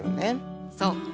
そう。